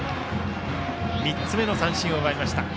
３つ目の三振を奪いました今朝丸。